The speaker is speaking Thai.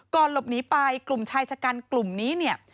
ก่อนหลบหนีไปกลุ่มชายชะกันกลุ่มนี้